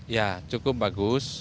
ya cukup bagus